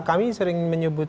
kami sering menyebut